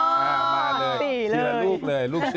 มาเลยสี่ลูกเลยลูกสี่เลย